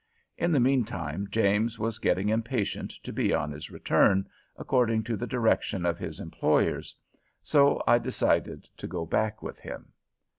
In the mean time James was getting impatient to be on his return, according to the direction of his employers. So I decided to go back with him.